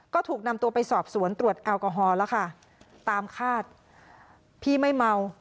ก็ถูกนำตัวไปสอบสวนตรวจแอลกอฮอล์แล้วค่ะตามคาดพี่ไม่เมา